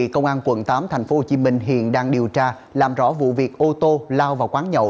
công an quận tám tp hcm hiện đang điều tra làm rõ vụ việc ô tô lao vào quán nhậu